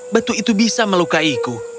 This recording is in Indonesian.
batu itu bisa melukaiku